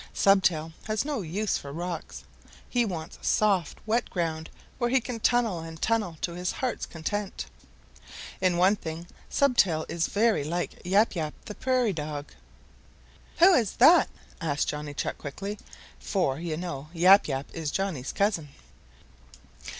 Stubtail has no use for rocks. He wants soft, wet ground where he can tunnel and tunnel to his heart's content. In one thing Stubtail is very like Yap Yap the Prairie Dog." "What is that?" asked Johnny Chuck quickly, for, you know, Yap Yap is Johnny's cousin.